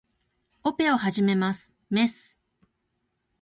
オペを始めます。メス